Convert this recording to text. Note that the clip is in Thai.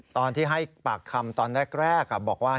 ตอนที่ให้ปากคำตอนแรกบอกว่า